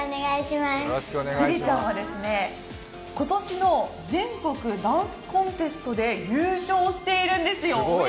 樹李ちゃんは今年の全国ダンスコンテストで優勝しているんですよ。